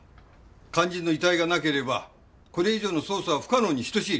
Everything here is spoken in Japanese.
肝心の遺体がなければこれ以上の捜査は不可能に等しい。